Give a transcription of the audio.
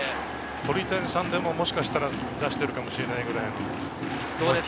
鳥谷さんでも、もしかしたら出しているかもしれないぐらいの。